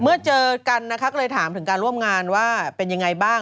เจอกันนะคะก็เลยถามถึงการร่วมงานว่าเป็นยังไงบ้าง